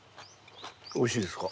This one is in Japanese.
おいしいですか？